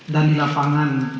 dan di lapangan